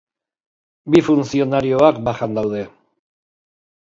Bi funtzionarioak bajan daude.